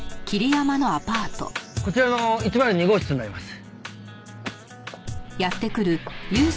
こちらの１０２号室になります。